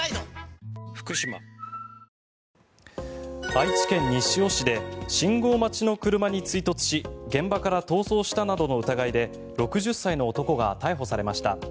愛知県西尾市で信号待ちの車に追突し現場から逃走したなどの疑いで６０歳の男が逮捕されました。